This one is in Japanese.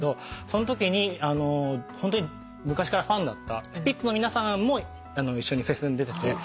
そのときにホントに昔からファンだったスピッツの皆さんも一緒にフェスに出てて。